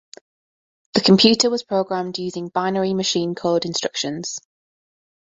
The computer was programmed using binary machine code instructions.